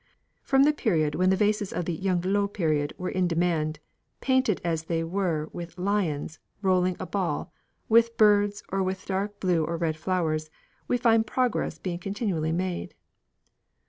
From the period when the vases of the Yung lo period were in demand, painted as they were with lions rolling a ball, with birds or with dark blue or red flowers, we find progress being continually made.